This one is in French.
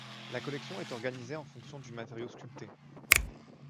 La collection est organisée en fonction du matériau sculpté.